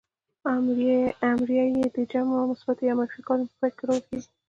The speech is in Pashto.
امریه ئ د جمع مثبت يا منفي امر په پای کې کارول کیږي.